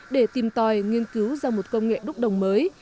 để tìm tòi nghiên cứu ra một công nghệ đúc đồng mới